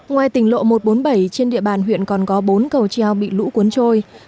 ngoài tỉnh lộ một trăm bốn mươi bảy trên địa bàn huyện còn có bốn cầu treo bị lũ cuốn trôi